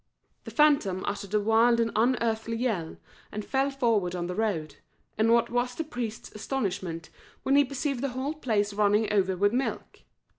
The phantom uttered a wild and unearthly yell, and fell forward on the road, and what was the priest's astonishment when he perceived the whole place running over with milk.